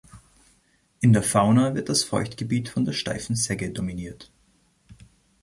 In der Fauna wird das Feuchtgebiet von der Steifen Segge dominiert.